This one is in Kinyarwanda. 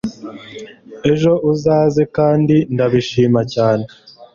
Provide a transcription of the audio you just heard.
ejo uzaze kandi ndabishima cyane